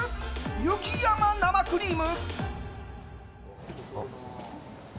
雪山生クリーム。